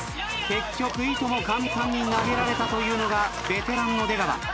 結局いとも簡単に投げられたというのがベテランの出川。